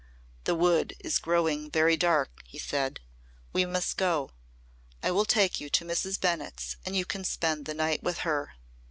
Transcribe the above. "The Wood is growing very dark," he said. "We must go. I will take you to Mrs. Bennett's and you can spend the night with her."